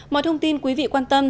mọi thông tin quý vị quan tâm